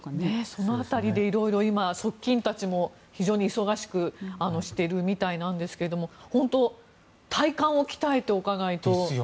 その辺りでいろいろ側近たちも非常に忙しくしているみたいなんですけれども本当、体幹を鍛えておかないと。